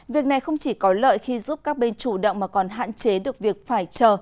việc này không chỉ có lợi khi giúp các bên chủ động mà còn hạn chế được việc phải chờ